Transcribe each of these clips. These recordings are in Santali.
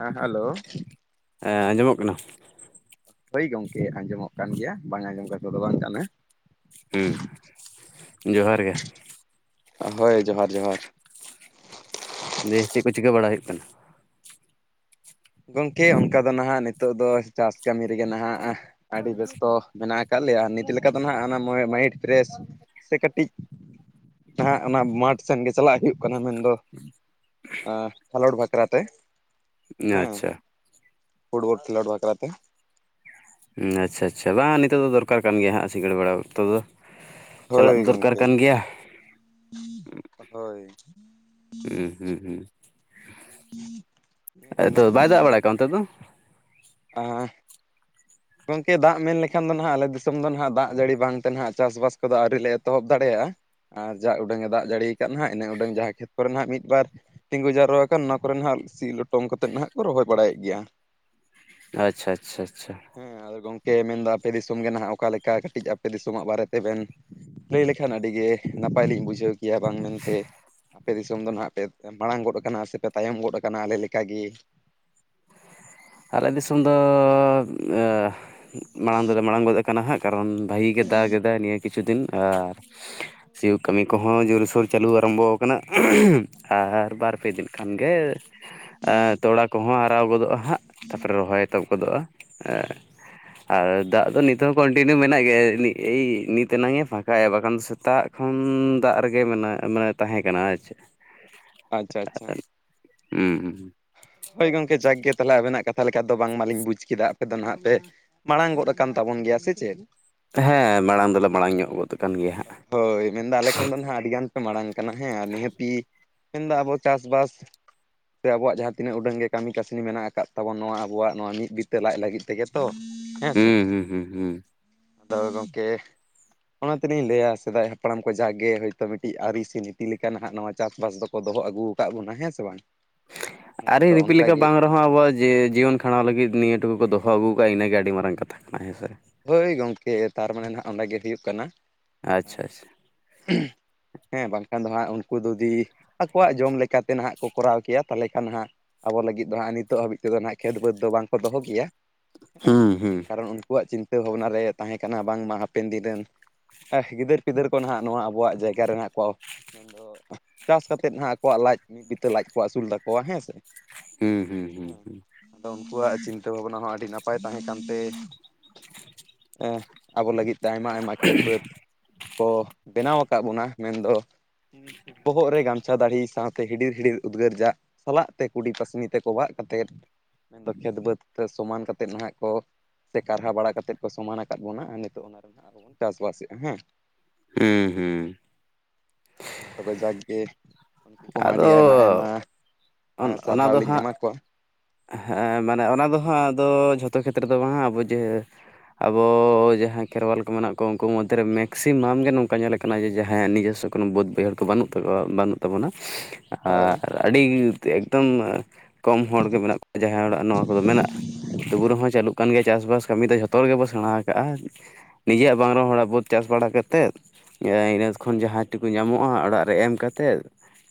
ᱦᱮᱸ ᱦᱮᱞᱳ ᱦᱮᱸ ᱟᱸᱡᱚᱢᱚᱜ ᱠᱟᱱᱟ ᱾ ᱦᱚᱭ ᱜᱚᱢᱠᱮ ᱟᱸᱡᱚᱢᱚᱜ ᱠᱟᱱ ᱜᱮᱭᱟ ᱵᱟᱝ ᱟᱸᱡᱚᱢ ᱠᱟᱛᱮᱫ ᱫᱚ ᱵᱟᱝ ᱠᱟᱱᱟ ᱾ ᱦᱩᱸ ᱡᱚᱦᱟᱨ ᱜᱮ ᱾ ᱦᱚᱭ ᱡᱚᱦᱟᱨ ᱡᱚᱦᱟᱨ ᱾ ᱫᱮᱥ ᱪᱮᱫ ᱠᱚ ᱪᱤᱠᱟᱹ ᱵᱟᱲᱟ ᱦᱩᱭᱩᱜ ᱠᱟᱱᱟ? ᱜᱚᱢᱠᱮ ᱚᱱᱠᱟ ᱫᱚ ᱱᱷᱟᱜ ᱱᱤᱛᱚᱜ ᱫᱚ ᱪᱟᱥ ᱠᱟᱹᱢᱤ ᱨᱮᱜᱮ ᱱᱷᱟᱜ ᱟᱹᱰᱤ ᱵᱮᱥᱛᱚ ᱢᱮᱱᱟᱜ ᱟᱠᱟᱫ ᱞᱮᱭᱟ ᱱᱤᱛ ᱞᱮᱠᱟ ᱫᱚ ᱱᱷᱟᱜ ᱚᱱᱟ ᱢᱚ ᱢᱟᱭᱤᱱᱰ ᱯᱷᱨᱮᱥ ᱥᱮ ᱠᱟᱹᱴᱤᱡ ᱱᱷᱟᱜ ᱚᱱᱟ ᱢᱟᱴᱷ ᱥᱮᱱ ᱜᱮ ᱪᱟᱞᱟᱜ ᱦᱩᱭᱩᱜ ᱠᱟᱱᱟ ᱢᱮᱱᱫᱚ ᱟᱻ ᱠᱷᱮᱞᱚᱸᱰ ᱵᱟᱠᱷᱨᱟ ᱛᱮ ᱠᱟᱱᱟ ᱦᱮᱸ ᱟᱪᱪᱷᱟ ᱯᱷᱩᱴᱵᱚᱞ ᱠᱷᱮᱞᱚᱸᱰ ᱵᱟᱠᱷᱨᱟ ᱛᱮ ᱾ ᱩᱸ ᱟᱪᱪᱷᱟ ᱟᱪᱷᱟ ᱵᱟᱝ ᱱᱤᱛᱚᱜ ᱫᱚ ᱫᱚᱨᱠᱟᱨ ᱠᱟᱱ ᱜᱮᱭᱟ ᱦᱟᱸᱜ ᱥᱤᱸᱜᱟᱹᱲ ᱵᱮᱲᱟ ᱚᱠᱛᱚ ᱫᱚ᱾ ᱦᱳᱭ ᱪᱟᱞᱟᱜ ᱫᱚᱨᱠᱟᱨ ᱜᱚᱝᱠᱮ ᱠᱟᱱ ᱜᱮᱭᱟ᱾ ᱦᱳᱭ᱾ ᱦᱩᱸ ᱦᱩᱸ ᱦᱩᱸ ᱟᱫᱚ [inaudible] ᱵᱟᱭ ᱫᱟᱜ ᱵᱟᱲᱟᱭ ᱠᱟᱜ-ᱟ ᱚᱱᱛᱮ ᱫᱚ᱾ [unintelligible] ᱜᱚᱢᱠᱮ ᱫᱟᱜ ᱢᱮᱱ ᱞᱮᱠᱷᱟᱱ ᱫᱚ ᱱᱷᱟᱜ ᱟᱞᱮ ᱫᱤᱥᱚᱢ ᱫᱚ ᱱᱷᱟᱜ ᱫᱟᱜ ᱡᱟᱹᱲᱤ ᱵᱟᱝᱛᱮ ᱱᱷᱟᱜ ᱪᱟᱥᱵᱟᱥ ᱠᱚᱫᱚ ᱟᱣᱨᱤ ᱞᱮ ᱮᱛᱚᱦᱚᱵ ᱫᱟᱲᱮᱭᱟᱜ-ᱟ᱾ ᱟᱨ ᱡᱟ ᱩᱰᱟᱹᱝ ᱮ ᱫᱟᱜ ᱡᱟᱲᱤᱭ ᱠᱟᱜ ᱱᱷᱟᱜ ᱤᱱᱟᱹ ᱩᱰᱟᱹᱝ ᱡᱟᱸᱦᱟ ᱠᱷᱮᱛ ᱠᱚᱨᱮ ᱱᱷᱟᱜ ᱢᱤᱫ ᱵᱟᱨ᱾ ᱛᱤᱸᱜᱩ ᱡᱟᱨᱣᱟ ᱟᱠᱟᱱ ᱚᱱᱟ ᱠᱚᱨᱮ ᱱᱷᱟᱜ ᱥᱤ ᱞᱚᱴᱚᱢ ᱠᱟᱛᱮᱜ ᱱᱟᱦᱟᱜ ᱠᱚ ᱨᱚᱦᱚᱭ ᱵᱟᱲᱟᱭᱮᱜ ᱜᱮᱭᱟ᱾ ᱟᱪᱷᱟ ᱟᱪᱷᱟ ᱟᱪᱷᱟ᱾ ᱦᱩᱸ ᱟᱫᱚ ᱜᱚᱢᱠᱮ ᱢᱮᱱᱫᱟ ᱟᱯᱮ ᱫᱤᱥᱚᱢ ᱜᱮ ᱱᱟᱦᱟᱜ ᱚᱠᱟ ᱞᱮᱠᱟ ᱠᱟᱴᱤᱡ ᱟᱯᱮ ᱫᱤᱥᱚᱢᱟᱜ ᱵᱟᱨᱮ ᱛᱮᱵᱮᱱ᱾ ᱞᱟᱹᱭ ᱞᱮᱠᱷᱟᱱ ᱟᱰᱤᱜᱮ ᱱᱟᱯᱟᱭ ᱞᱤᱧ ᱵᱩᱡᱷᱟᱹᱣ ᱠᱮᱭᱟ ᱵᱟᱝ ᱢᱮᱱᱛᱮ᱾ ᱟᱯᱮ ᱫᱤᱥᱚᱢ ᱫᱚ ᱱᱷᱟᱜ ᱯᱮ ᱢᱟᱲᱟᱝ ᱜᱚᱫ ᱟᱠᱟᱱᱟ ᱥᱮᱯᱮ ᱛᱟᱭᱚᱢ ᱜᱚᱫ ᱟᱠᱟᱱᱟ ᱟᱞᱮ ᱞᱮᱠᱟ ᱜᱤ᱾ ᱟᱞᱮ ᱫᱤᱥᱚᱢ ᱫᱚ ᱟᱻ᱾ ᱢᱟᱲᱟᱝ ᱫᱚᱞᱮ ᱢᱟᱲᱟᱝ ᱜᱚᱫ ᱠᱟᱱᱟ ᱦᱟᱸᱜ ᱠᱟᱨᱚᱱ ᱵᱷᱟᱜᱤ ᱜᱮ ᱫᱟᱜ ᱠᱮᱫᱟᱭ ᱱᱤᱭᱟᱹ ᱠᱤᱪᱷᱩ ᱫᱤᱱ ᱟᱨ᱾ ᱥᱤᱭᱩᱜ ᱠᱟᱹᱢᱤ ᱠᱚᱦᱚᱸ ᱡᱩᱨᱥᱩᱨ ᱪᱟᱹᱞᱩ ᱟᱨᱟᱢᱵᱚᱣ ᱠᱟᱱᱟ ᱟᱨ ᱵᱟᱨ ᱯᱮ ᱫᱤᱱ ᱠᱷᱟᱱ ᱜᱮ ᱟᱸ ᱛᱚᱲᱟ ᱠᱚᱦᱚ ᱦᱟᱨᱟᱣ ᱜᱚᱫᱚᱜ-ᱟ ᱦᱟᱸᱜ ᱛᱟᱯᱚᱨᱮ ᱨᱚᱦᱚᱭ ᱛᱚ᱾ ᱜᱚᱫᱚᱜ-ᱟ ᱮᱸ᱾ ᱟᱨ ᱫᱟᱜ ᱫᱚ ᱱᱤᱛ ᱦᱚᱸ ᱠᱚᱱᱴᱤᱱᱤᱭᱩ ᱢᱮᱱᱟᱜ ᱜᱮᱭᱟ ᱮᱭ ᱱᱤᱛ ᱮᱱᱟᱝ ᱮ ᱯᱷᱟᱸᱠᱟᱭᱟ ᱵᱟᱠᱷᱟᱱ ᱫᱚ ᱥ ᱛᱟᱜ ᱠᱷᱚᱱ ᱫᱟᱜ ᱨᱮᱜᱮ ᱢᱮᱱᱟᱜ ᱢᱟᱱᱮ ᱛᱟᱸᱦᱮ ᱠᱟᱱᱟ ᱦᱮᱸ ᱪᱮ᱾ ᱟᱪᱪᱷᱟ ᱟᱪᱪᱷᱟ ᱩᱸ᱾ ᱦᱳᱭ ᱜᱚᱝᱠᱮ ᱡᱟᱠᱜᱮ ᱛᱟᱦᱞᱮ ᱟᱵᱮᱱᱟᱜ ᱠᱟᱛᱷᱟ ᱞᱮᱠᱟ ᱛᱮᱫᱚ ᱵᱟᱝ ᱢᱟᱞᱤᱧ ᱵᱩᱡᱽ ᱠᱮᱫᱟ ᱟᱯᱮ ᱫᱚ ᱱᱟᱦᱟᱜ ᱯᱮ᱾ ᱢᱟᱲᱟᱝ ᱜᱚᱫ ᱟᱠᱟᱱ ᱛᱟᱵᱚᱱ ᱜᱮᱭᱟ ᱥᱮ ᱪᱮᱜ᱾ ᱦᱮᱸ ᱢᱟᱲᱟᱝ ᱫᱚᱞᱮ ᱢᱟᱲᱟᱝ ᱧᱚᱜ ᱜᱚᱫ ᱠᱟᱱ ᱜᱮᱭᱟ ᱦᱟᱸᱜ᱾ ᱦᱳᱭ ᱢᱮᱱᱫᱚ ᱟᱞᱮ ᱠᱷᱚᱱ ᱫᱚ ᱱᱷᱟᱜ ᱟᱰᱤᱜᱟᱱ ᱯᱮ ᱢᱟᱲᱟᱝ ᱠᱟᱱᱟ ᱦᱮᱸ ᱟᱨ ᱱᱤᱦᱟᱹᱛᱤ᱾ ᱢᱮᱱᱫᱚ ᱟᱵᱚ ᱪᱟᱥᱵᱟᱥ ᱥᱮ ᱟᱵᱚᱣᱟᱜ ᱡᱟᱸᱦᱟ᱾ ᱛᱤᱱᱟᱹᱜ ᱩᱰᱟᱹᱝ ᱜᱮ ᱠᱟᱢᱤ ᱠᱟᱥᱱᱤ ᱢᱮᱱᱟᱜ ᱟᱠᱟᱜ ᱛᱟᱵᱚᱱ ᱱᱚᱣᱟ ᱟᱵᱚᱣᱟᱜ ᱱᱚᱣᱟ ᱢᱤᱫ ᱵᱤᱛᱟᱹ ᱞᱟᱡ ᱞᱟᱹᱜᱤᱫ ᱛᱮᱜᱮ᱾ ᱛᱚ ᱦᱮᱸ ᱥᱮ ᱦᱩᱸ ᱦᱩᱸ ᱦᱩᱸ ᱦᱩᱸ ᱟᱫᱚ ᱜᱚᱝᱠᱮ᱾ ᱚᱱᱟ ᱛᱮᱞᱤᱧ ᱞᱟᱹᱭᱟ ᱥᱮᱫᱟᱭ ᱦᱟᱯᱲᱟᱢ ᱠᱚ ᱡᱟᱜᱮ ᱦᱳᱭᱛᱳ ᱢᱤᱴᱤᱜ ᱟᱨᱤ ᱥᱮ ᱱᱤᱛᱤ ᱞᱮᱠᱟ ᱱᱟᱦᱟᱜ ᱱᱚᱣᱟ ᱪᱟᱥᱵᱟᱥ ᱫᱚ᱾ ᱠᱚ ᱫᱚᱦᱚ ᱟᱹᱜᱩ ᱠᱟᱜ ᱵᱚᱱᱟ ᱦᱮᱸ ᱥᱮ ᱵᱟᱝ᱾ ᱦᱮᱸ ᱟᱨᱤ ᱟᱫᱚ ᱨᱤᱯᱤ ᱞᱮᱠᱟ ᱚᱱᱠᱟᱜᱮ ᱵᱟᱝ ᱨ ᱦᱚᱸ ᱟᱵᱚᱣᱟᱜ ᱡᱤᱭᱚᱱ ᱠᱷᱟᱸᱰᱟᱣ ᱞᱟᱹᱜᱤᱫ ᱱᱤᱭᱟᱹ ᱴᱩᱠᱩ ᱠᱚ ᱫᱚᱦᱚ ᱟᱹᱜᱩ ᱠᱟᱜ-ᱟ ᱤᱱᱟᱹᱜᱮ ᱟᱰᱤ ᱢᱟᱨᱟᱝ ᱠᱟᱛᱷᱟ ᱠᱟᱱᱟ ᱦᱮᱸᱥᱮ᱾ ᱦᱳᱭ ᱜᱚᱢᱠᱮ ᱛᱟᱨ ᱢᱟᱱᱮ ᱱᱷᱟᱜ ᱚᱸᱰᱮ ᱜᱮ ᱦᱳᱭᱳᱜ ᱠᱟᱱᱟ᱾ ᱟᱪᱪᱷᱟ ᱟᱪᱪᱷᱟ ᱦᱮᱸ ᱵᱟᱝᱠᱷᱟᱱ ᱫᱚ ᱦᱟᱸᱜ ᱩᱱᱠᱩ ᱡᱩᱫᱤ ᱟᱠᱚᱣᱟᱜ ᱡᱚᱢ ᱞᱮᱠᱟᱛᱮ ᱱᱟᱦᱟᱜ ᱠᱚ ᱠᱚᱨᱟᱣ ᱠᱮᱭᱟ ᱛᱟᱦᱞᱮ ᱠᱷᱟᱱ ᱦᱟᱸᱜ᱾ ᱟᱵᱚ ᱞᱟᱹᱜᱤᱫ ᱫᱚ ᱦᱟᱸᱜ ᱱᱤᱛᱚᱜ ᱦᱟᱹᱵᱤᱡ ᱛᱮᱫᱚ ᱦᱟᱸᱜ ᱠᱷᱮᱛ ᱵᱟᱹᱫᱽ ᱫᱚ ᱵᱟᱝᱠᱚ ᱫᱚᱦᱚ ᱠᱮᱭᱟ᱾ ᱦᱩᱸ ᱠᱟᱨᱚᱱ ᱩᱱᱠᱩᱣᱟᱜ ᱪᱤᱱᱛᱟᱹ ᱵᱷᱟᱵᱽᱱᱟ ᱨᱮ ᱛᱟᱸᱦᱮ ᱠᱟᱱᱟ ᱵᱟᱝᱢᱟ ᱦᱟᱯᱮᱱ ᱫᱤᱱ ᱨᱮᱱ᱾ ᱜᱤᱫᱟᱹᱨ ᱯᱤᱫᱟᱹᱨ ᱠᱚ ᱱᱷᱟᱜ ᱱᱚᱣᱟ ᱟᱵᱚᱣᱟᱜ ᱡᱟᱭᱜᱟ ᱨᱮᱱᱟᱜ ᱠᱚ᱾ ᱪᱟᱥ ᱠᱟᱛᱮᱫ ᱦᱟᱸᱜ ᱟᱠᱚᱣᱟᱜ ᱞᱟᱡ ᱢᱤᱫ ᱵᱤᱛᱟᱹ ᱞᱟᱡ ᱠᱚ ᱟᱥᱩᱞ ᱛᱟᱠᱚᱣᱟ ᱦᱮᱸ ᱥᱮ᱾ ᱦᱩᱸ ᱦᱩᱸ ᱦᱩᱸ ᱦᱮᱸ ᱦᱩᱸ᱾ ᱟᱫᱚ ᱩᱱᱠᱩᱣᱟᱜ ᱪᱤᱱᱛᱟᱹ ᱵᱷᱟᱵᱽᱱᱟ ᱦᱚᱸ ᱟᱰᱤ ᱱᱟᱯᱟᱭ ᱛᱟᱸᱦᱮ ᱠᱟᱱᱛᱮ᱾ ᱟᱵᱚ ᱞᱟᱜᱤᱫ ᱛᱮ ᱟᱭᱢᱟ ᱟᱭᱢᱟ ᱠᱷᱮᱛ ᱵᱟᱹᱫᱽ ᱠᱚ ᱵᱮᱱᱟᱣ ᱟᱠᱟᱜ ᱵᱚᱱᱟ ᱢᱮᱱᱫᱚ᱾ ᱵᱚᱦᱚᱜ ᱨᱮ ᱜᱟᱢᱪᱷᱟ ᱫᱟᱲᱦᱤ ᱥᱟᱶᱛᱮ ᱦᱤᱰᱤᱨ ᱦᱤᱰᱤᱨ ᱩᱫᱽᱜᱟᱹᱨ ᱫᱟᱜ᱾ ᱠᱷᱚᱞᱟᱜ ᱛᱮ ᱠᱩᱰᱤ ᱯᱟᱥᱱᱤ ᱛᱮ ᱠᱚᱵᱟᱜ ᱠᱟᱛᱮᱫ᱾ ᱢᱮᱱᱫᱚ ᱠᱷᱮᱛ ᱵᱟᱹᱫᱽ ᱛᱮ ᱥᱚᱢᱟᱱ ᱠᱟᱛᱮᱫ ᱱᱟᱦᱟᱜ ᱠᱚ ᱥᱮ ᱠᱟᱨᱦᱟ ᱵᱟᱲᱟ ᱠᱟᱛᱮᱫ᱾ ᱠᱚ ᱥᱚᱢᱟᱱ ᱟᱠᱟᱫ ᱵᱚᱱᱟ ᱟᱨ ᱱᱤᱛᱚᱜ ᱚᱱᱟ ᱨᱮᱦᱟᱸᱜ ᱟᱵᱚ ᱵᱚᱱ ᱪᱟᱥᱵᱟᱥᱮᱜ-ᱟ ᱦᱮᱸ᱾ ᱦᱩᱸ ᱦᱩᱸ᱾ ᱛᱚᱵᱮ ᱡᱟᱠ ᱜᱮ ᱩᱱᱠᱩ ᱠᱚᱢᱟ ᱟᱹᱰᱤ ᱟᱭᱢᱟ ᱟᱭᱢᱟ ᱚᱱ ᱚᱱᱟ ᱥᱟᱨᱦᱟᱣ ᱫᱚ ᱞᱤᱧ ᱦᱟᱸᱜ ᱮᱢᱟ ᱠᱚᱣᱟ ᱦᱮᱸ ᱢᱟᱱᱮ ᱚᱱᱟ ᱫᱚ ᱦᱟᱸᱜ ᱟᱫᱚ ᱡᱷᱚᱛᱚ ᱠᱷᱮᱛᱨᱮ ᱫᱚ ᱵᱟᱝ ᱟᱵᱚ ᱡᱮ ᱟᱵᱚ ᱡᱟᱦᱟᱸᱭ ᱠᱷᱮᱨᱣᱟᱞ ᱠᱚ ᱢᱮᱱᱟᱜ ᱠᱚ ᱩᱱᱠᱩ ᱢᱚᱫᱽᱫᱷᱮᱨᱮ ᱢᱮᱠᱥᱤᱢᱟᱢ ᱜᱮ ᱱᱚᱝᱠᱟ ᱧᱮᱞᱮ ᱠᱟᱱᱟ ᱡᱮ ᱡᱟᱦᱟᱸᱭᱟᱜ ᱱᱤᱡᱚᱥᱥᱚ ᱠᱳᱱᱳ ᱵᱟᱹᱫᱽ ᱵᱟᱹᱭᱦᱟᱹᱲ ᱠᱚ ᱵᱟᱹᱱᱩᱜ ᱛᱟᱠᱚᱣᱟ ᱵᱟᱹᱱᱩᱜ ᱛᱟᱵᱚᱱᱟ, ᱦᱳᱭ ᱟᱨ ᱟᱹᱰᱤ ᱮᱠᱫᱚᱢ ᱠᱚᱢ ᱦᱚᱲᱜᱮ ᱢᱮᱱᱟᱜ ᱠᱚᱣᱟ ᱡᱟᱦᱟᱸ ᱚᱲᱟᱜ ᱱᱚᱣᱟ ᱠᱚᱫᱚ ᱢᱮᱱᱟᱜ-ᱟ ᱛᱩᱵᱩ ᱨᱮᱦᱚᱸ ᱪᱟᱹᱞᱩᱜ ᱠᱟᱱ ᱜᱮᱭᱟ ᱪᱟᱥᱵᱟᱥ ᱠᱟᱹᱢᱤ ᱫᱚ ᱡᱷᱚᱛᱚ ᱨᱮᱜᱮ ᱵᱚ ᱥᱮᱬᱟ ᱠᱟᱜᱼᱟ᱾ ᱱᱤᱡᱮᱭᱟᱜ ᱵᱟᱝ ᱨᱮ ᱦᱚᱲᱟᱜ ᱵᱟᱹᱫᱽ ᱪᱟᱥ ᱵᱟᱲᱟ ᱠᱟᱛᱮᱫ ᱡᱟ ᱤᱱᱟᱹ ᱠᱷᱚᱱ ᱡᱟᱦᱟᱸ ᱴᱩᱠᱩ ᱧᱟᱢᱚᱜᱼᱟ ᱚᱲᱟᱜ ᱨᱮ ᱮᱢ ᱠᱟᱛᱮᱫ,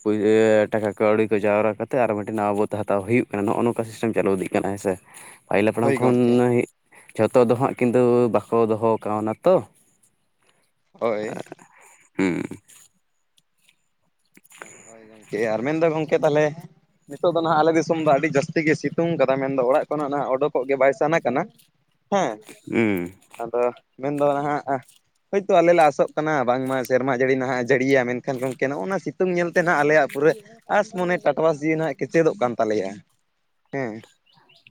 ᱯᱩᱭᱟᱹ ᱴᱟᱠᱟ ᱠᱟᱹᱣᱰᱤ ᱠᱚ ᱡᱟᱣᱨᱟ ᱠᱟᱛᱮᱫ ᱟᱨ ᱢᱤᱫᱴᱮᱱ ᱱᱟᱣᱟ ᱵᱟᱹᱫᱽ ᱦᱟᱛᱟᱣ ᱦᱩᱭᱩᱜ ᱠᱟᱱᱟ ᱱᱚᱜᱼᱚ ᱱᱚᱝᱠᱟ ᱥᱤᱥᱴᱮᱢ ᱪᱟᱹᱞᱩ ᱤᱫᱤᱜ ᱠᱟᱱᱟ ᱦᱮᱸᱥᱮ ᱯᱟᱦᱤᱞ ᱦᱟᱯᱲᱟᱢ ᱦᱳᱭ ᱠᱷᱚᱱ ᱜᱚᱢᱠᱮ ᱡᱷᱚᱛᱚ ᱫᱚ ᱦᱟᱸᱜ ᱠᱤᱱᱛᱩ ᱵᱟᱠᱚ ᱫᱚᱦᱚ ᱠᱟᱣᱱᱟ ᱛᱚ, ᱦᱳᱭ᱾ ᱦᱩᱸ᱾ ᱦᱳᱭ ᱜᱚᱢᱠᱮ ᱟᱨ ᱢᱮᱱᱫᱚ ᱜᱚᱝᱠᱮ ᱛᱟᱦᱞᱮ ᱱᱤᱛᱚᱜ ᱫᱚ ᱱᱟᱦᱟᱜ ᱟᱞᱮ ᱫᱤᱥᱚᱢ ᱫᱚ ᱟᱹᱰᱤ ᱡᱟᱹᱥᱛᱤ ᱜᱮ ᱥᱤᱛᱩᱝ ᱠᱟᱫᱟ ᱢᱮᱱᱫᱚ ᱚᱲᱟᱜ ᱠᱷᱚᱱᱟᱜ ᱱᱟᱦᱟᱜ ᱚᱰᱳᱠᱚᱜ ᱜᱮ ᱵᱟᱭ ᱥᱟᱱᱟ ᱠᱟᱱᱟ᱾ [inaudible] ᱦᱩᱸ ᱦᱩᱸ ᱟᱫᱚ ᱢᱮᱱᱫᱚ ᱱᱟᱦᱟᱸᱜ ᱦᱳᱭᱛᱳ ᱟᱞᱮ ᱞᱮ ᱟᱥᱚᱜ ᱠᱟᱱᱟ ᱵᱟᱝᱢᱟ ᱥᱮᱨᱢᱟ ᱡᱟᱹᱲᱤ ᱱᱟᱦᱟᱸᱜ ᱮ ᱡᱟᱹᱲᱤᱭᱟ ᱢᱮᱱᱠᱷᱟᱱ ᱜᱚᱝᱠᱮ ᱱᱚᱜ-ᱚ ᱱᱚᱣᱟ ᱥᱤ ᱥᱤᱛᱩᱝ ᱧᱮᱞᱛᱮ ᱟᱞᱮᱭᱟᱜ ᱯᱩᱨᱟᱹ ᱟᱸᱥ ᱢᱚᱱᱮ ᱴᱟᱴᱣᱟᱥ ᱡᱤᱭᱤ ᱦᱟᱸᱜ ᱠᱮᱪᱮᱫᱚᱜ ᱠᱟᱱ ᱛᱟᱞᱮᱭᱟ᱾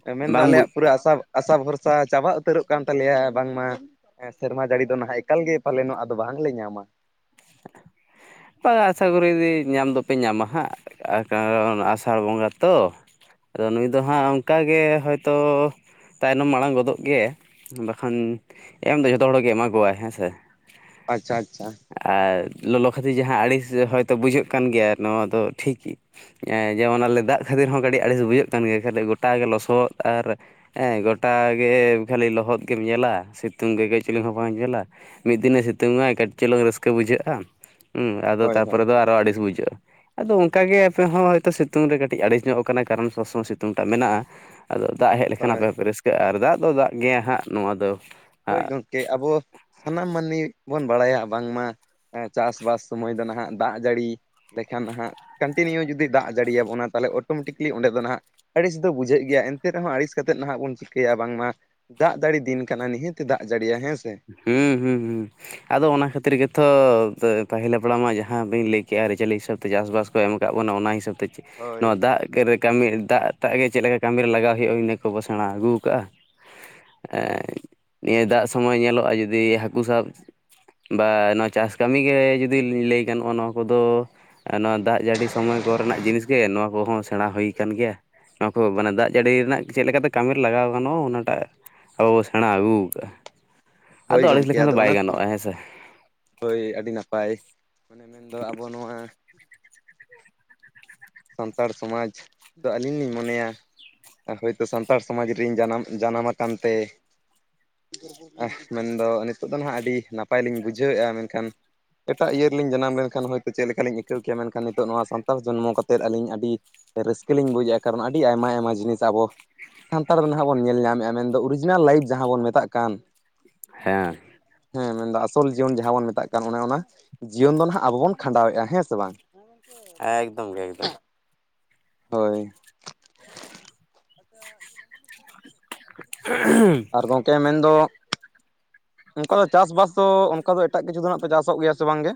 ᱦᱮᱸ ᱢᱮᱱᱫᱚ ᱵᱟᱝ ᱵᱩᱡ ᱟᱞᱮᱭᱟᱜ ᱯᱩᱨᱟᱹ ᱟᱥᱟ ᱟᱥᱟ ᱵᱷᱚᱨᱥᱟ ᱪᱟᱵᱟ ᱩᱛᱟᱹᱨᱚᱜ ᱠᱟᱱ ᱛᱟᱞᱮᱭᱟ, ᱵᱟᱝᱢᱟ ᱦᱮᱸ ᱥᱮᱨᱢᱟ ᱡᱟᱹᱲᱤ ᱫᱚ ᱱᱟᱦᱟᱸᱜ ᱮᱠᱟᱞ ᱜᱮ ᱯᱟᱞᱮᱱ ᱟᱫᱚ ᱵᱟᱝᱞᱮ ᱧᱟᱢᱟ᱾ [inaudible] ᱵᱟᱝ ᱟᱥᱟ ᱠᱚᱨᱤ ᱧᱟᱢ ᱫᱚᱯᱮ ᱧᱟᱢᱟ ᱦᱟᱸᱜ ᱠᱟᱨᱚᱱ ᱟᱥᱟᱲ ᱵᱚᱸᱜᱟ ᱛᱚ, ᱟᱫᱚ ᱱᱩᱭ ᱫᱚ ᱦᱟᱸᱜ ᱚᱝᱠᱟᱜᱮ ᱦᱚᱭᱛᱚ ᱛᱟᱭᱱᱚᱢ ᱢᱟᱲᱟᱝ ᱜᱚᱫᱚᱜ ᱜᱮ ᱵᱟᱠᱷᱟᱱ ᱮᱢ ᱫᱚ ᱡᱷᱚᱛᱚ ᱦᱚᱲᱜᱮ ᱮᱢᱟ ᱠᱚᱣᱟᱭ ᱦᱮᱸᱥᱮ? ᱟᱪᱪᱷᱟ ᱟᱪᱪᱷᱟ᱾ ᱟᱨ ᱞᱚᱞᱚ ᱠᱷᱟᱹᱛᱤᱨ ᱡᱟᱦᱟᱸ ᱟᱲᱤᱥ ᱦᱚᱭᱛᱳ ᱵᱩᱡᱩᱜ ᱠᱟᱱ ᱜᱮᱭᱟ ᱱᱚᱣᱟ ᱫᱚ ᱴᱷᱤᱠ ᱮᱸ ᱡᱮᱢᱚᱱ ᱟᱞᱮ ᱫᱟᱜ ᱠᱷᱟᱹᱛᱤᱨ ᱦᱚᱸ ᱠᱟᱹᱴᱤᱡ ᱟᱹᱲᱤᱥ ᱵᱩᱡᱷᱟᱹᱜ ᱠᱟᱱ ᱜᱮᱭᱟ ᱠᱷᱟᱹᱞᱤ ᱜᱚᱴᱟ ᱜᱮ ᱞᱚᱥᱚᱫ ᱟᱨ ᱮᱸ ᱜᱚᱴᱟ ᱜᱮ ᱠᱷᱟᱹᱞᱤ ᱞᱚᱦᱚᱫ ᱜᱮᱢ ᱧᱮᱞᱟ, ᱥᱤᱛᱩᱝ ᱜᱮ ᱠᱟᱹᱡ ᱪᱩᱞᱩᱝ ᱦᱚᱸ ᱵᱟᱢ ᱧᱮᱞᱟ᱾ ᱢᱤᱫ ᱫᱤᱱᱮ ᱥᱤᱛᱩᱝ ᱟᱭ ᱠᱟᱹᱴᱤᱡ ᱪᱩᱞᱩᱝ ᱨᱟᱹᱥᱠᱟᱹ ᱵᱩᱡᱷᱟᱹᱜ-ᱟ᱾ ᱦᱩᱸ ᱟᱫᱚ ᱦᱳᱭ ᱦᱳᱭ ᱛᱟᱨᱯᱚᱨᱮ ᱫᱚ ᱟᱨᱚ ᱟᱲᱤᱥ ᱵᱩᱡᱷᱟᱹᱜᱼᱟ᱾ ᱟᱫᱚ ᱚᱱᱠᱟ ᱜᱮ ᱟᱯᱮ ᱦᱚᱸ ᱦᱚᱭᱛᱚ ᱥᱤᱛᱩᱝ ᱨᱮ ᱠᱟᱹᱴᱤᱡ ᱟᱲᱤᱥ ᱧᱚᱜ ᱠᱟᱱᱟ ᱠᱟᱨᱚᱱ ᱥᱚᱵᱽ ᱥᱚᱢᱚᱭ ᱥᱤᱛᱩᱝ ᱴᱟᱜ ᱢᱮᱱᱟᱜᱼᱟ, ᱟᱫᱚ ᱫᱟᱜ ᱦᱮᱡ ᱞᱮᱠᱷᱟᱱ ᱦᱳᱭ ᱟᱯᱮ ᱦᱚᱸ ᱯᱮ ᱨᱟᱹᱥᱠᱟᱹᱜᱼᱟ, ᱟᱨ ᱫᱟᱜ ᱫᱚ ᱫᱟᱜ ᱜᱮᱭᱟ ᱦᱟᱸᱜ ᱱᱚᱣᱟ ᱫᱚ ᱦᱳᱭ ᱜᱚᱝᱠᱮ ᱟᱵᱚ ᱥᱟᱱᱟᱢ ᱢᱟᱹᱱᱢᱤ ᱵᱚᱱ ᱵᱟᱲᱟᱭᱟ ᱵᱟᱝ ᱢᱟ ᱮᱸ ᱪᱟᱥᱼᱵᱟᱥ ᱥᱚᱢᱚᱭ ᱫᱚ ᱱᱟᱦᱟᱸᱜ ᱫᱟᱜ ᱡᱟᱹᱲᱤ ᱞᱮᱠᱷᱟᱱ ᱱᱟᱦᱟᱸᱜ ᱠᱟᱱᱴᱤᱱᱤᱭᱩ ᱡᱩᱫᱤ ᱫᱟᱜ ᱡᱟᱹᱲᱤ ᱭᱟᱵᱚᱱᱟ ᱛᱟᱦᱚᱞᱮ ᱚᱴᱳᱢᱮᱴᱤᱠᱞᱤ ᱚᱸᱰᱮ ᱫᱚ ᱱᱟᱦᱟᱸᱜ ᱟᱹᱲᱤᱥ ᱫᱚ ᱵᱩᱡᱷᱟᱹᱜ ᱜᱮᱭᱟ ᱮᱱᱛᱮ ᱨᱮᱦᱚᱸ ᱟᱲᱤᱥ ᱠᱟᱛᱮᱜ ᱱᱟᱦᱟᱸᱜ ᱵᱚᱱ ᱪᱤᱠᱟᱹᱭᱟ ᱵᱟᱝ ᱢᱟ ᱫᱟᱜ ᱫᱟᱲᱤ ᱫᱤᱱ ᱠᱟᱱᱟ ᱱᱤᱦᱟᱹ ᱛᱮ ᱫᱟᱜ ᱡᱟᱹᱲᱤᱭᱟ ᱦᱮᱸ ᱦᱩᱸ ᱦᱩᱸ ᱦᱩᱸ ᱟᱫᱚ ᱦᱮᱸ ᱚᱱᱟ ᱠᱷᱟᱹᱛᱤᱨ ᱜᱮ ᱛᱚ ᱯᱟᱹ ᱯᱟᱦᱤᱞ ᱦᱟᱯᱲᱟᱢᱟᱜ ᱡᱟᱦᱟᱸ ᱵᱮᱱ ᱞᱟᱹᱭ ᱠᱮᱜ ᱟᱨᱤᱼᱪᱟᱹᱞᱤ ᱦᱤᱥᱟᱹᱵᱽ ᱛᱮ ᱪᱟᱥᱼ ᱵᱟᱥ ᱠᱚ ᱮᱢ ᱠᱟᱜ ᱵᱚᱱᱟ ᱚᱱᱟ ᱦᱤᱥᱟᱹᱵᱽ ᱛᱮ ᱪᱮ ᱱᱚᱣᱟ ᱦᱳᱭ ᱫᱟᱜ ᱠᱮ ᱨᱮ ᱠᱟᱢᱤ ᱫᱟᱜ ᱴᱟᱜ ᱜᱮ ᱪᱮᱜ ᱞᱮᱠᱟ ᱠᱟᱢᱤ ᱨᱮ ᱞᱟᱜᱟᱣ ᱦᱩᱭᱩᱜ-ᱟ ᱤᱱᱟᱹ ᱠᱚᱵᱚ ᱥᱮᱬᱟ ᱟᱹᱜᱩᱣ ᱠᱟᱜ-ᱟ᱾ ᱮᱸ ᱱᱤᱭᱟᱹ ᱫᱟᱜ ᱥᱚᱢᱚᱭ ᱧᱮᱞᱚᱜᱼᱟ ᱡᱩᱫᱤ ᱦᱟᱹᱠᱩ ᱥᱟᱵ ᱵᱟ ᱱᱚᱣᱟ ᱪᱟᱥ ᱠᱟᱢᱤ ᱜᱮ ᱡᱩᱫᱤ ᱞᱤᱧ ᱞᱟᱹᱭ ᱜᱟᱱᱚᱜ-ᱟ ᱱᱚᱣᱟ ᱠᱚᱫᱚ ᱟᱨ ᱱᱚᱣᱟ ᱫᱟᱜ ᱡᱟᱹᱲᱤ ᱥᱚᱢᱚᱭ ᱠᱚᱨᱮ ᱱᱟᱜ ᱡᱤᱱᱤᱥ ᱜᱮ, ᱱᱚᱣᱟ ᱠᱚᱦᱚᱸ ᱥᱮᱬᱟ ᱦᱩᱭ ᱠᱟᱱ ᱜᱮᱭᱟ᱾ ᱱᱚᱣᱟ ᱠᱚ ᱢᱟᱱᱮ ᱫᱟᱜ ᱡᱟᱹᱲᱤ ᱨᱮᱱᱟᱜ ᱪᱮᱜ ᱞᱮᱠᱟ ᱛᱮ ᱠᱟᱢᱤ ᱨᱮ ᱞᱟᱜᱟᱣ ᱜᱟᱱᱚᱜ-ᱟ ᱚᱱᱟ ᱴᱟᱜ᱾ ᱟᱵᱚ ᱵᱚ ᱥᱮᱬᱟ ᱟᱜᱩᱣ ᱠᱟᱜ-ᱟ᱾ ᱦᱳᱭ ᱜᱚᱝᱠᱮ ᱟᱫᱚ ᱚᱱᱟᱼᱼ ᱦᱮᱸ ᱥᱮ ᱦᱳᱭ ᱟᱹᱰᱤ ᱱᱟᱯᱟᱭ, ᱢᱟᱱᱮ ᱢᱮᱱ ᱫᱚ ᱟᱵᱚ ᱱᱚᱣᱟ ᱥᱟᱱᱛᱟᱲ ᱥᱚᱢᱟᱡᱽ ᱫᱚ ᱟᱞᱤᱧ ᱞᱤᱧ ᱢᱚᱱᱮᱭᱟ ᱦᱳᱭᱛᱳ ᱥᱟᱱᱛᱟᱲ ᱥᱚᱢᱟᱡᱽ ᱨᱤᱧ ᱡᱟᱱᱟᱢ ᱩᱧ ᱡᱟᱱᱟᱢ ᱟᱠᱟᱱ ᱛᱮ ᱟᱦ ᱢᱮᱱᱫᱚ ᱱᱤᱛᱚᱜ ᱫᱚ ᱱᱟᱦᱟᱸᱜ ᱟᱰᱤ ᱱᱟᱯᱟᱭ ᱞᱤᱧ ᱵᱩᱡᱷᱟᱹᱣᱮᱜ-ᱟ, ᱢᱮᱱᱠᱷᱟᱱ ᱮᱴᱟᱜ ᱤᱭᱟᱹ ᱨᱮᱞᱤᱧ ᱡᱟᱱᱟᱢ ᱞᱮᱱᱠᱷᱟᱱ ᱦᱚᱭᱛᱚ ᱪᱮᱫ ᱞᱮᱠᱟ ᱞᱤᱧ ᱟᱹᱭᱠᱟᱹᱣ ᱠᱮᱭᱟ ᱢᱮᱱᱠᱷᱟᱱ ᱱᱤᱛᱚᱜ ᱱᱚᱣᱟ ᱥᱟᱱᱛᱟᱲ ᱡᱚᱱᱢᱚ ᱠᱟᱛ ᱛᱮᱫ ᱟᱹᱞᱤᱧ ᱟᱰᱤ ᱨᱟᱹᱥᱠᱟᱹ ᱞᱤᱧ ᱵᱩᱡᱟ ᱠᱟᱨᱚᱱ ᱟᱹᱰᱤ ᱟᱭᱢᱟ ᱟᱭᱢᱟ ᱡᱤᱱᱤᱥ ᱟᱵᱚ ᱥᱟᱱᱛᱟᱲ ᱫᱚ ᱱᱟᱦᱟᱸᱜ ᱵᱚᱱ ᱧᱮᱞ ᱧᱟᱢᱮᱜ-ᱟ, ᱢᱮᱱᱫᱚ ᱚᱨᱤᱡᱤᱱᱟᱞ ᱞᱟᱭᱤᱯᱷ ᱡᱟᱦᱟᱸ ᱵᱚᱱ ᱢᱮᱛᱟᱜ ᱠᱟᱱ᱾ ᱦᱮᱸ᱾ ᱦᱮᱸ ᱢᱮᱱᱫᱚ ᱟᱥᱚᱞ ᱡᱤᱭᱚᱱ ᱡᱟᱦᱟᱸ ᱵᱚᱱ ᱢᱮᱛᱟᱜ ᱠᱟᱱ ᱚᱱᱮ ᱚᱱᱟ ᱡᱤᱭᱚᱱ ᱫᱚ ᱱᱟᱦᱟᱸᱜ ᱟᱵᱚ ᱵᱚᱱ ᱠᱷᱟᱸᱰᱟᱣᱮᱜ-ᱟ, ᱦᱮᱸ ᱥᱮ ᱵᱟᱝ? ᱮᱠᱫᱚᱢ ᱜᱮ ᱮᱠᱫᱚᱢ᱾ ᱦᱚᱭ᱾ ᱛᱮ ᱞᱚᱜᱚᱱᱟᱹᱧ ᱠᱟᱨᱮ ᱥᱮᱪᱮᱫ? [unintelligible] ᱟᱨ ᱜᱚᱝᱠᱮ ᱢᱮᱱᱫᱚ ᱜᱚᱝᱠᱮ ᱪᱟᱥᱼᱵᱟᱥ ᱫᱚ ᱚᱱᱠᱟ ᱫᱚ ᱮᱴᱟᱜ ᱠᱤᱪᱷᱩ ᱫᱚ ᱱᱟᱦᱟᱸᱜ ᱯᱮ ᱪᱟᱥᱚᱜ ᱜᱮᱭᱟ ᱥᱮ ᱵᱟᱝ ᱜᱮ?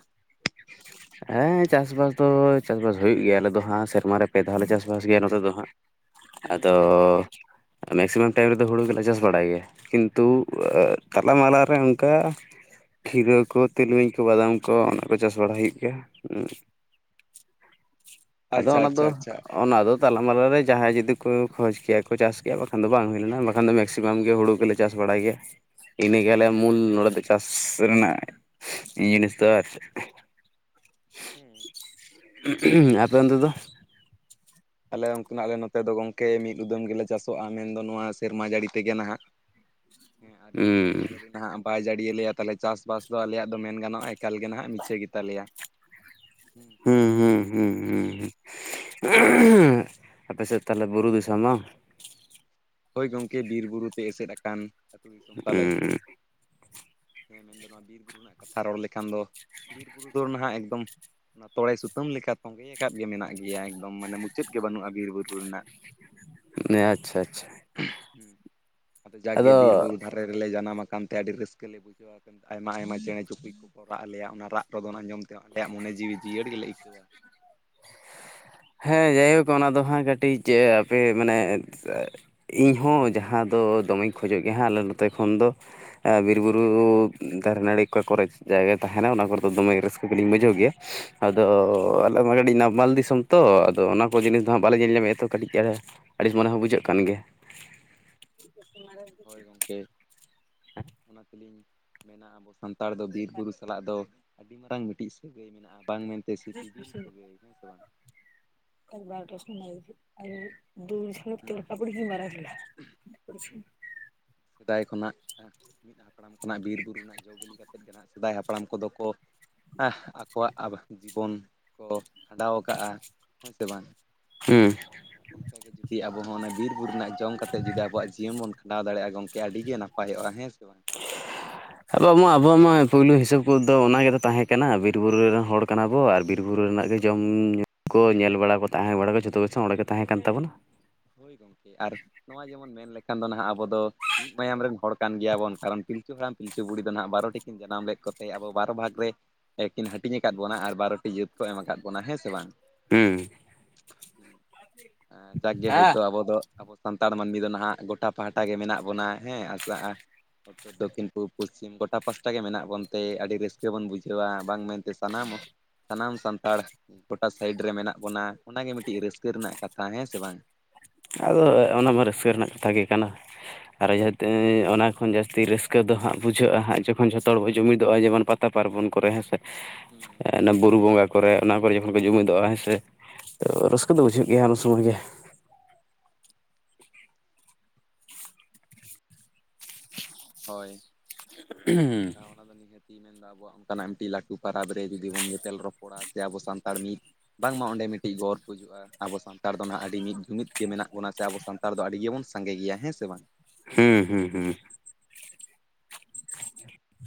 [inaudible] ᱦᱮᱸ ᱪᱟᱥᱼᱵᱟᱥ ᱫᱚ ᱪᱟᱥᱼᱵᱟᱥ ᱦᱩᱭᱩᱜ ᱜᱮᱭᱟ, ᱟᱞᱮ ᱫᱚ ᱦᱟᱸᱜ ᱥᱮᱨᱢᱟ ᱨᱮ ᱯᱮ ᱫᱷᱟᱣ ᱞᱮ ᱪᱟᱥᱼ ᱵᱟᱥ ᱜᱮᱭᱟ ᱱᱚᱛᱮ ᱫᱚ ᱦᱟᱸᱜ᱾ ᱟᱫᱚ ᱦᱩᱸ ᱢᱮᱠᱥᱤᱢᱟᱢ ᱴᱟᱭᱤᱢ ᱨᱮᱫᱚ ᱦᱩᱲᱩ ᱜᱮᱞᱮ ᱪᱟᱥ ᱵᱟᱲᱟᱭ ᱜᱮᱭᱟ᱾ ᱠᱤᱱᱛᱩ ᱟᱻ ᱛᱟᱞᱟ ᱢᱟᱞᱟ ᱨᱮ ᱚᱱᱠᱟ ᱠᱷᱤᱨᱟᱹ ᱠᱚ ᱛᱤᱞᱢᱤᱧ ᱠᱚ ᱵᱟᱫᱟᱢ ᱠᱚ ᱚᱱᱟ ᱠᱚ ᱪᱟᱥ ᱵᱟᱲᱟᱭ ᱦᱩᱭᱩᱜ ᱜᱮ ᱭᱟ ᱩᱸᱻ ᱟᱪᱪᱷᱟ ᱟᱫᱚ ᱚᱱᱟ ᱫᱚ ᱟᱪᱪᱷᱟ ᱟᱪᱪᱷᱟ ᱚᱱᱟ ᱫᱚ ᱛᱟᱞᱟ ᱢᱟᱞᱟ ᱨᱮ ᱡᱟᱦᱟᱸᱭ ᱡᱩᱫᱤ ᱠᱚ ᱠᱷᱚᱡᱽ ᱠᱮᱭᱟ ᱠᱚ ᱪᱟᱥ ᱠᱮᱭᱟ ᱵᱟᱠᱷᱟᱱ ᱫᱚ ᱵᱟᱝ ᱦᱩᱭ ᱞᱮᱱᱟ ᱵᱟᱠᱷᱟᱱ ᱫᱚ ᱢᱮᱠᱥᱤᱢᱟᱢ ᱜᱮ ᱦᱩᱲᱩ ᱜᱮᱞᱮ ᱪᱟᱥ ᱵᱟᱲᱟᱭ ᱜᱮᱭᱟ᱾ ᱤᱱᱟᱹ ᱜᱮ, ᱟᱞᱮ ᱢᱩᱞ ᱱᱚᱸᱰᱮ ᱫᱚ ᱪᱟᱥ ᱨᱮᱱᱟᱜ ᱡᱤᱱᱤᱥ ᱫᱚ ᱟᱨ ᱪᱮᱫ᱾ ᱦᱩᱸ᱾ ᱟᱯᱮ ᱚᱱᱛᱮ ᱫᱚ? ᱟᱞᱮ ᱚᱱᱛᱮ ᱱᱟᱜ ᱟᱞᱮ ᱱᱚᱛᱮ ᱫᱚ ᱜᱚᱝᱠᱮ ᱢᱤᱫ ᱩᱫᱟᱹᱢ ᱜᱮᱞᱮ ᱪᱟᱥᱚᱜ-ᱟ, ᱢᱮᱱᱫᱚ ᱱᱚᱣᱟ ᱥᱮᱨᱢᱟ ᱡᱟᱹᱲᱤ ᱛᱮᱜᱮ ᱱᱟᱦᱟᱸᱜ᱾ [inaudible] ᱦᱮᱸ ᱟᱨ ᱡᱩᱫᱤ ᱥᱮᱨᱢᱟ ᱦᱩᱸ ᱡᱟᱹᱲᱤ ‌ᱱᱟᱦᱟᱸᱜ ᱵᱟᱭ ᱡᱟᱲᱤᱭᱟ ᱞᱮᱭᱟ, ᱛᱟᱦᱚᱞᱮ ᱪᱟᱥᱼᱵᱟᱥ ᱫᱚ ᱟᱞᱮᱭᱟᱜ ᱫᱚ ᱢᱮᱱ ᱜᱟᱱᱚᱜ-ᱟ ᱮᱠᱟᱞ ᱜᱮ ᱱᱟᱦᱟᱸᱜ ᱢᱤᱪᱷᱟᱹ ᱜᱮᱛᱟ ᱞᱮᱭᱟ᱾ ᱦᱩᱸ᱾ ᱦᱩᱸ ᱦᱩᱸ ᱦᱩᱸ ᱦᱩᱸ [unintelligible] ᱟᱯᱮᱥᱮᱫ ᱛᱟᱦᱚᱞᱮ ᱵᱩᱨᱩ ᱫᱤᱥᱚᱢ ᱵᱟᱝ? ᱦᱳᱭ ᱜᱚᱝᱠᱮ, ᱵᱤᱨ ᱵᱩᱨᱩ ᱛᱮ ᱮᱥᱮᱫ ᱟᱠᱟᱱ ᱟᱛᱩ ᱫᱤᱥᱚᱢ ᱛᱟᱞᱮ, ᱦᱩᱸ ᱦᱮᱸ ᱢᱮᱱᱫᱚ ᱱᱚᱣᱟ ᱵᱤᱨ ᱵᱩᱨᱩ ᱨᱮᱱᱟᱜ ᱠᱟᱛᱷᱟ ᱨᱚᱲ ᱞᱮᱠᱷᱟᱱ ᱫᱚ, ᱵᱤᱨ ᱵᱩᱨᱩ ᱫᱚ ᱱᱟᱦᱟᱜ ᱮᱠᱫᱚᱢ ᱚᱱᱟ ᱛᱚᱲᱮ ᱥᱩᱛᱟᱹᱢ ᱞᱮᱠᱟ ᱛᱚᱸᱜᱮ ᱟᱠᱟᱫ ᱜᱮ ᱢᱮᱱᱟᱜ ᱜᱮᱭᱟ ᱮᱠᱫᱚᱢ ᱢᱟᱱᱮ ᱢᱩᱪᱟᱹᱫ ᱜᱮ ᱵᱟᱹᱱᱩᱜᱼᱟ ᱵᱤᱨᱼᱵᱩᱨᱩ ᱨᱮᱱᱟᱜ᱾ ᱟᱪᱪᱷᱟ ᱟᱪᱪᱷᱟ᱾ ᱦᱩᱸ, ᱟᱫᱚ ᱡᱟᱜᱠᱮ ᱵᱤᱨ ᱟᱫᱚ ᱵᱩᱨᱩ ᱫᱷᱟᱨᱮ ᱨᱮᱞᱮ ᱡᱟᱱᱟᱢ ᱟᱠᱟᱱ ᱛᱮ ᱟᱹᱰᱤ ᱨᱟᱹᱥᱠᱟᱹ ᱞᱮ ᱵᱩᱡᱷᱟᱹᱣᱟ᱾ ᱟᱭᱢᱟ ᱟᱭᱢᱟ ᱪᱮᱬᱮ ᱪᱩᱯᱲᱤᱡ ᱠᱚ ᱠᱚ ᱨᱟᱜ ᱟᱞᱮᱭᱟ, ᱚᱱᱟ ᱨᱟᱜ ᱨᱚᱫᱚᱱ ᱟᱸᱡᱚᱢ ᱛᱮ ᱟᱞᱮᱭᱟᱜ ᱢᱚᱱᱮ ᱡᱤᱣᱤ ᱡᱤᱭᱟᱹᱲ ᱜᱮᱞᱮ ᱟᱹᱭᱠᱟᱹᱣᱟ᱾ ᱦᱮᱸ, ᱡᱟᱭᱦᱳᱠ ᱚᱱᱟ ᱫᱚ ᱦᱟᱸᱜ ᱠᱟᱹᱴᱤᱡ [unintelligible] ᱢᱟᱱᱮ ᱤᱧᱦᱚᱸ ᱡᱟᱦᱟᱸ ᱫᱚ ᱫᱚᱢᱮᱧ ᱠᱷᱚᱡᱚᱜ ᱜᱮᱭᱟ ᱦᱟᱸᱜ ᱟᱞᱮ ᱱᱚᱛᱮ ᱠᱷᱚᱱ ᱫᱚ ᱾ ᱮ ᱵᱤᱨᱼᱵᱩᱨᱩ ᱫᱟᱨᱮ ᱱᱟᱹᱲᱤ ᱚᱠᱟ ᱠᱚᱨᱮ ᱡᱟᱭᱜᱟ ᱛᱟᱦᱮᱱᱟ ᱚᱱᱟ ᱠᱚᱨᱮ ᱫᱚ ᱫᱚᱢᱮ ᱨᱟᱹᱥᱠᱟᱹ ᱜᱮᱞᱤᱧ ᱵᱩᱡᱷᱟᱹᱣ ᱜᱮᱭᱟ ᱾ ᱟᱫᱚ ᱦᱳᱭ ᱟᱞᱮ ᱢᱟ ᱠᱟᱹᱴᱤᱡ ᱱᱟᱨᱢᱟᱞ ᱫᱤᱥᱚᱢ ᱛᱚ ᱟᱫᱚ ᱚᱱᱟ ᱠᱚ ᱡᱤᱱᱤᱥ ᱫᱚ ᱦᱟᱸᱜ ᱵᱟᱞᱮ ᱧᱮᱞ ᱧᱟᱢᱮᱜᱼᱟᱛᱚ ᱠᱟᱹᱴᱤᱡ ᱪᱟᱲᱮ ᱟᱹᱲᱤᱥ ᱢᱚᱱᱮ ᱦᱚᱸ ᱵᱩᱡᱷᱟᱹᱜ ᱠᱟᱱ ᱜᱮᱭᱟ ᱾ ᱦᱳᱭ ᱜᱚᱝᱠᱮ ᱚᱱᱟ ᱛᱤᱞᱤᱧ ᱢᱮᱱᱟᱜᱼᱟ ᱟᱵᱚ ᱥᱟᱱᱛᱟᱲ ᱫᱚ ᱵᱤᱨ ᱵᱩᱨᱩ ᱥᱟᱞᱟᱜ ᱫᱚ ᱟᱹᱰᱤ ᱢᱟᱨᱟᱝ ᱢᱤᱫᱴᱤᱡ ᱥᱟᱹᱜᱟᱹᱭ ᱢᱮᱱᱟᱜᱼᱟ ᱵᱟᱝ ᱢᱮᱱᱛᱮ ᱥᱤᱯᱤᱵᱤᱞ ᱥᱟᱹᱜᱟᱹᱭ ᱦᱮᱥᱮ ᱵᱟᱝ! [unintelligible] ᱦᱮᱸ [unintelligible] ᱥᱮᱫᱟᱭ ᱠᱷᱚᱱᱟᱜ ᱢᱤᱫ ᱦᱟᱯᱲᱟᱢ ᱠᱷᱚᱱᱟᱜ ᱵᱤᱨᱵᱩᱨᱩ ᱨᱮᱱᱟᱜ ᱡᱚᱼ ᱵᱤᱞᱤ ᱠᱟᱛᱮᱫ ᱜᱮ ᱱᱟᱸᱜ ᱥᱮᱫᱟᱭ ᱦᱟᱯᱲᱟᱢ ᱠᱚᱫᱚ ᱠᱚ ᱦᱮᱸᱜ ᱟᱠᱚᱣᱟᱜ ᱟᱵ ᱡᱤᱵᱚᱱ ᱠᱚ ᱠᱷᱟᱸᱰᱟᱣ ᱠᱟᱜᱼᱟ ᱦᱮᱸ ᱥᱮ ᱵᱟᱝ! ᱦᱩᱸ ᱾ ᱚᱱᱠᱟᱜᱮ ᱡᱩᱫᱤ ᱟᱵᱚ ᱚᱱᱟ ᱵᱤᱨ ᱵᱩᱨᱩ ᱨᱮᱱᱟᱜ ᱡᱚᱢ ᱠᱟᱛᱮᱫ ᱡᱩᱫᱤ ᱟᱵᱚᱣᱟᱜ ᱡᱤᱭᱚᱱ ᱵᱚᱱ ᱠᱷᱟᱸᱰᱟᱣ ᱫᱟᱲᱮᱭᱟᱜᱼᱟ ᱜᱚᱝ ᱠᱮ ᱟᱹᱰᱤ ᱜᱮ ᱱᱟᱯᱟᱭᱚᱜᱼᱟ ᱦᱮᱸ ᱥᱮ ᱵᱟᱝ? ᱟᱵᱚ ᱢᱟ ᱟᱵᱚᱣᱟᱜ ᱢᱟ ᱯᱩᱭᱞᱩ ᱦᱤᱥᱟᱹᱵ ᱠᱚᱫᱚ ᱚᱱᱟᱜᱮᱫᱚ ᱛᱟᱦᱮᱸ ᱠᱟᱱᱟ, ᱵᱤᱨ ᱵᱩᱨᱩ ᱨᱮᱱ ᱦᱚᱲ ᱠᱟᱱᱟ ᱵᱚ ᱟᱨ ᱵᱤᱨ ᱵᱩᱨᱩ ᱨᱮᱱᱟᱜ ᱜᱮ ᱡᱚᱢ ᱦᱳᱭ ᱧᱩ ᱠᱚ ᱧᱮᱞ ᱵᱟᱲᱟ ᱠᱚ ᱛᱟᱦᱮᱸ ᱵᱟᱲᱟ ᱠᱚ ᱡᱷᱚᱛᱚ ᱜᱮᱥᱮ ᱚᱸᱲᱮ ᱜᱮ ᱛᱟᱦᱮᱸ ᱠᱟᱱ ᱛᱟᱵᱚᱱᱟ ᱾ ᱦᱳᱭ ᱜᱚᱝᱠᱮ ᱟᱨ ᱱᱚᱣᱟ ᱡᱮᱢᱚᱱ ᱢᱮᱱ ᱞᱮᱠᱷᱟᱱ ᱫᱚ ᱱᱟᱦᱟᱜ ᱟᱵᱚ ᱫᱚ ᱢᱤᱫ ᱢᱟᱭᱟᱢ ᱨᱮᱱ ᱦᱚᱲ ᱠᱟᱱ ᱜᱮᱭᱟᱵᱚᱱ, ᱠᱟᱨᱚᱱ ᱯᱤᱞᱪᱩ ᱦᱟᱲᱟᱢ ᱯᱤᱞᱪᱩ ᱵᱩᱲᱦᱤ ᱫᱚ ᱱᱟᱦᱟᱜ ᱵᱟᱨᱚᱴᱤᱠᱤᱱ ᱡᱟᱱᱟᱢ ᱞᱮᱫ ᱠᱚᱛᱮ ᱟᱵᱚ ᱵᱟᱨᱚ ᱵᱷᱟᱜᱽ ᱨᱮ ᱮ ᱠᱤᱱ ᱦᱟᱹᱴᱤᱧ ᱟᱠᱟᱫ ᱵᱚᱱᱟ ᱟᱨ ᱵᱟᱨᱚᱴᱤ ᱡᱟᱹᱛ ᱠᱚ ᱮᱢ ᱟᱠᱟᱫ ᱵᱚᱱᱟ ᱦᱮᱸ ᱥᱮ ᱵᱟᱝ! ᱦᱩᱸ ᱾ ᱡᱟᱜ ᱜᱮ ᱦᱳᱭ ᱦᱮᱸ ᱟᱵᱚ ᱫᱚ ᱟᱵᱚ ᱥᱟᱱᱛᱟᱲ ᱢᱟᱹᱱᱢᱤ ᱫᱚ ᱱᱟᱦᱟᱜ ᱜᱚᱴᱟ ᱯᱟᱦᱟᱴᱟ ᱜᱮ ᱢᱮᱱᱟᱜ ᱵᱚᱱᱟ ᱦᱮᱸ ᱟᱥᱟᱜᱼᱟ ᱩᱛᱛᱚᱨ ᱫᱚᱠᱠᱷᱤᱱ ᱯᱩᱵᱚᱼᱯᱚᱥᱪᱤᱢ ᱜᱚᱴᱟ ᱯᱟᱥᱴᱟ ᱜᱮ ᱢᱮᱱᱟᱜ ᱵᱚᱱ ᱛᱮ ᱟᱹᱰᱤ ᱨᱟᱹᱥᱠᱟᱹ ᱵᱚᱱ ᱵᱩᱡᱷᱟᱹᱣᱟ ᱵᱟᱝ ᱢᱮᱱᱛᱮ ᱥᱟᱱᱟᱢ ᱥᱟᱱᱟᱢ ᱥᱟᱱᱛᱟᱲ ᱜᱚᱴᱟ ᱥᱟᱭᱤᱰ ᱨᱮ ᱢᱮᱱᱟᱜ ᱵᱚᱱᱟ ᱚᱱᱟᱜᱮ ᱢᱤᱫᱴᱤᱡ ᱨᱟᱹᱥᱠᱟᱹ ᱨᱮᱱᱟᱜ ᱠᱟᱛᱷᱟ ᱦᱮᱸ ᱥᱮ ᱵᱟᱝ! ᱟᱫᱚ ᱚᱱᱟᱢᱟ ᱨᱟᱹᱥᱠᱟᱹ ᱨᱮᱱᱟᱜ ᱠᱟᱛᱷᱟ ᱜᱮ ᱠᱟᱱᱟ ᱾ ᱟᱨ ᱡᱟᱛᱮ ᱚᱱᱟ ᱠᱷᱚᱱ ᱡᱟᱹᱥᱛᱤ ᱨᱟᱹᱥᱠᱟᱹ ᱫᱚ ᱦᱟᱸᱜ ᱵᱩᱡᱷᱟᱹᱜᱼᱟ ᱦᱟᱸᱜ ᱡᱚᱠᱷᱚᱱ ᱡᱷᱚᱛᱚ ᱦᱚᱲ ᱵᱚ ᱡᱩᱢᱤᱫᱚᱜᱼᱟ ᱡᱮᱢᱚᱱ ᱯᱟ ᱛᱟ ᱯᱟᱨᱵᱚᱱ ᱠᱚᱨᱮ ᱦᱮᱸᱥᱮ ᱦᱩᱸ ᱾ ᱵᱩᱨᱩ ᱵᱚᱸᱜᱟ ᱠᱚᱨᱮ ᱚᱱᱟ ᱠᱚᱨᱮ ᱡᱚᱠᱷᱚᱱ ᱠᱚ ᱡᱩᱢᱤᱫᱚᱜᱼᱟ ᱦᱮᱸᱥᱮ, ᱛᱚ ᱨᱟᱹᱥᱠᱟᱹ ᱫᱚ ᱵᱩᱡᱷᱟᱹᱜ ᱜᱮᱭᱟ ᱩᱱ ᱥᱚᱢᱚᱭ ᱜᱮ ᱾ ᱦᱳᱭ ᱾ ᱦᱩᱸ ᱾ ᱚᱱᱟ ᱫᱚ ᱱᱤᱦᱟᱹᱛᱤᱧ ᱢᱮᱱᱫᱟ ᱟᱵᱚᱣᱟᱜ ᱚᱱᱠᱟᱱᱟᱜ ᱢᱤᱫᱴᱤᱡ ᱞᱟᱹᱴᱩ ᱯᱚᱨᱟᱵᱽ ᱨᱮ ᱡᱩᱫᱤ ᱵᱚᱱ ᱧᱮᱯᱮᱞ ᱨᱚᱯᱚᱲᱟ ᱥᱮ ᱟᱵᱚ ᱥᱟᱱᱛᱟᱲ ᱢᱤᱫ ᱵᱟᱝᱢᱟ ᱚᱸᱰᱮ ᱢᱤᱫᱴᱤᱡ ᱜᱚᱨᱯ ᱦᱩᱡᱩᱜᱼᱟ ᱾ ᱟᱵᱚ ᱥᱟᱱᱛᱟᱲ ᱫᱚ ᱦᱟᱸᱜ ᱟᱹᱰᱤ ᱢᱤᱫ ᱡᱩᱢᱤᱫ ᱜᱮ ᱢᱮᱱᱟᱜ ᱵᱚᱱᱟ ᱥᱮ ᱟᱵᱚ ᱥᱟᱱᱛᱟᱲ ᱫᱚ ᱟᱹᱰᱤ ᱜᱮᱵᱚᱱ ᱥᱟᱸᱜᱮ ᱜᱮᱭᱟ ᱦᱮᱸ ᱥᱮ ᱵᱟᱝ! ᱦᱮᱸ ᱦᱩᱸ ᱦᱩᱸ ᱾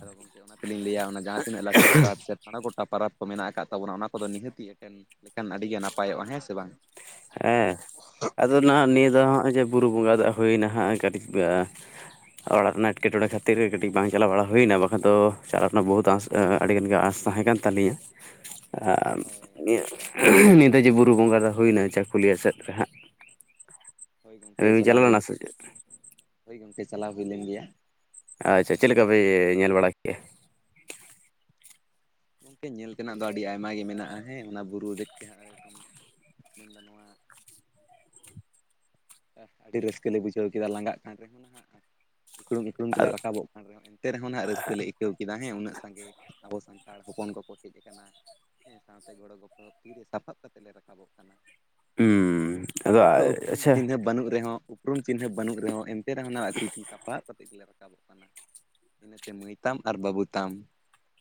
ᱟᱫᱚ ᱜᱚᱝᱠᱮ ᱚᱱᱟᱛᱮᱞᱤᱧ ᱞᱟᱹᱭᱟ ᱚᱱᱟ ᱡᱟᱦᱟᱸ ᱛᱤᱱᱟᱹᱜ ᱞᱟᱹᱴᱩ ᱯᱟᱨᱟᱵᱽ ᱥᱮ ᱦᱟᱱᱟ ᱜᱚᱴᱟ ᱯᱟᱨᱟᱵᱽ ᱠᱚ ᱢᱮᱱᱟᱜ ᱟᱠᱟᱫ ᱛᱟᱵᱚᱱᱟ ᱚᱱᱟ ᱠᱚᱫᱚ ᱱᱤᱦᱟᱹᱛᱤ ᱮᱴᱮᱱ ᱞᱮᱠᱷᱟᱱ ᱟᱹᱰᱤᱜᱮ ᱱᱟᱯᱟᱭᱚᱜᱼᱟ ᱦᱮᱸᱥᱮ ᱵᱟᱝ! ᱦᱮᱸ ᱾ ᱟᱫᱚ ᱱᱟᱹᱜ ᱱᱤᱭᱟᱹ ᱫᱚ ᱦᱟᱸᱜ ᱡᱮ ᱵᱩᱨᱩ ᱵᱚᱸᱜᱟ ᱫᱟᱜ ᱦᱩᱭᱱᱟ ᱦᱟᱸᱜ ᱠᱟᱹᱴᱤᱡ ᱚᱲᱟᱜ ᱨᱮᱱᱟᱜ ᱮᱴᱠᱮᱴᱚᱬᱮ ᱠᱷᱟᱹᱛᱤᱨ ᱜᱮ ᱠᱟᱹᱴᱤᱡ ᱵᱟᱝ ᱪᱟᱞᱟᱣ ᱵᱟᱲᱟ ᱦᱩᱭᱮᱱᱟ ᱵᱟᱠᱷᱟᱱ ᱫᱚ ᱪᱟᱞᱟᱜ ᱨᱮᱱᱟᱜ ᱵᱚᱦᱩᱛ ᱟᱥ ᱟ ᱟᱹᱰᱤᱜᱟᱱ ᱜᱮ ᱟᱸᱥ ᱛᱟᱦᱮᱸ ᱠᱟᱱ ᱛᱟᱹᱞᱤᱧᱟᱹ ᱾ ᱟᱨ ᱦᱳᱭ [inaudible] ᱱᱤᱭᱟᱹ ᱫᱷᱟᱹᱣ ᱡᱮ ᱵᱩᱨᱩ ᱵᱚᱸᱜᱟ ᱫᱚ ᱦᱩᱭᱱᱟ ᱪᱟᱹᱠᱩᱞᱤᱭᱟᱹ ᱥᱮᱫ ᱨᱮ ᱦᱟᱸᱜ, ᱦᱳᱭ ᱟᱹᱵᱤᱱ ᱜᱚᱝᱠᱮ ᱵᱤᱱ ᱪᱟᱞᱟᱣ ᱪᱟᱞᱟ ᱞᱮᱱᱟ ᱦᱩᱭ ᱞᱮᱱ ᱥᱮ ᱜᱮᱭᱟ ᱪᱮᱫ? ᱦᱳᱭ ᱜᱚᱝᱠᱮ ᱪᱟᱞᱟᱣ ᱦᱩᱭ ᱞᱮᱱ ᱜᱮᱭᱟ ᱾ ᱟᱪᱪᱷᱟ ᱪᱮᱫ ᱞᱮᱠᱟ ᱯᱮ ᱧᱮᱞ ᱵᱟᱲᱟ ᱠᱮᱜᱼᱟ? ᱧᱮᱞ ᱛᱮᱱᱟᱜ ᱫᱚ ᱟᱹᱰᱤ ᱟᱭᱢᱟ ᱜᱮ ᱢᱮᱱᱟᱜᱼᱟ ᱦᱮᱸ ᱚᱱᱟ ᱵᱩᱨᱩ ᱫᱮᱡ ᱛᱮ ᱦᱟᱸᱜ ᱨᱨᱮ ᱨᱮᱡᱚᱢ ᱢᱮᱱᱫᱟ ᱱᱚᱣᱟ ᱟᱹᱰᱤ ᱨᱟᱹᱥᱠᱟᱹᱞ ᱞᱮ ᱵᱩᱡᱷᱟᱹᱣ ᱠᱮᱫᱟ ᱞᱟᱸᱜᱟᱜ ᱠᱟᱱ ᱨᱮᱦᱚᱸ ᱱᱟᱦᱟᱜ ᱤᱠᱲᱩᱢ ᱤᱠᱲᱩᱢ ᱛᱮᱞᱮ ᱟᱫᱚ ᱨᱟᱠᱟᱵᱚᱜ ᱠᱟᱱ ᱨᱮᱦᱚᱸ ᱮᱱᱛᱮ ᱨᱮᱦᱚᱸ ᱱᱟᱦᱟᱸᱜ ᱨᱟᱹᱥᱠᱟᱹ ᱞᱮ ᱟᱹᱭᱠᱟᱹᱣ ᱠᱮᱫ ᱦᱮᱸ ᱩᱱᱟᱹᱜ ᱥᱟᱸᱜᱮ ᱟᱵᱚ ᱥᱟᱱ ᱛᱟᱲ ᱦᱚᱯᱚᱱ ᱠᱚᱠᱚ ᱦᱮᱡ ᱟᱠᱟᱱᱟ ᱦᱮᱸ ᱥᱟᱶᱛᱮ ᱜᱚᱲᱚ ᱜᱚᱯᱲᱚ ᱛᱤᱨᱮ ᱥᱟᱯᱟᱵ ᱠᱟᱛᱮ ᱞᱮ ᱨᱟᱠᱟᱵᱚᱜ ᱠᱟᱱᱟ᱾ ᱦᱮᱸ ᱦᱩᱸ ᱟᱫᱚ ᱦᱳᱭᱛᱳ ᱩᱯᱨᱩᱢ ᱟᱪᱪᱷᱟ ᱪᱤᱱᱦᱟᱹ ᱵᱟᱹᱱᱩᱜ ᱨᱮᱦᱚᱸ, ᱩᱯᱨᱩᱢ ᱪᱤᱱᱦᱟᱹ ᱵᱟᱹᱱᱩᱜ ᱨᱮᱦᱚᱸ ᱮᱱᱛᱮ ᱨᱮᱦᱚᱸ ᱱᱟᱦᱟᱜ ᱛᱤ-ᱛᱤ ᱥᱟᱯᱟᱵ ᱠᱟᱛᱮᱫ ᱜᱮᱞᱮ ᱨᱟᱠᱟᱵᱚᱜ ᱠᱟᱱᱟ᱾ ᱤᱱᱟᱹᱛᱮ ᱢᱟᱹᱭ ᱛᱟᱢ, ᱟᱨ ᱵᱟᱹᱵᱩ ᱛᱟᱢ᱾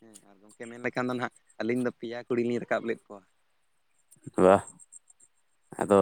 ᱦᱮᱸ ᱟᱨ ᱜᱚᱢᱠᱮ ᱢᱮᱱ ᱞᱮᱠᱷᱟᱱ ᱫᱚ ᱱᱥᱦᱟᱸᱜ ᱟᱹᱞᱤᱧ ᱫᱚ ᱯᱮᱭᱟ ᱠᱩᱲᱤ ᱞᱤᱧ ᱨᱟᱠᱟᱵ ᱞᱮᱫ ᱠᱚᱣᱟ᱾ ᱵᱟᱦ ᱟᱫᱚ